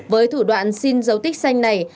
với thủ đoạn xin dấu tích xanh này